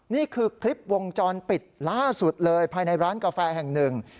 นี่คือคลิปวงจรปิดล่าสุดเลยภายในร้านกาแฟแห่งหนึ่ง